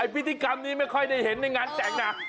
พิธีกรรมนี้ไม่ค่อยได้เห็นในงานแต่งนะ